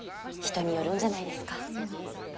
人によるんじゃないですか。